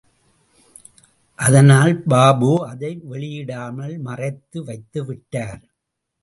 அதனால் பாபு அதை வெளியிடாமல் மறைத்து வைத்து விட்டார்.